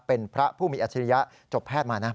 เป็นพระผู้มีอัจฉริยะจบแพทย์มานะ